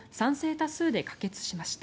多数で可決しました。